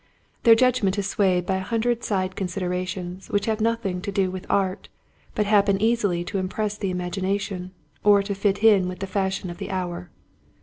Their judgment is swayed by a hundred side considerations which have nothing to do with art, but happen easily to impress the imagination, or to fit in with the fashion of the hour.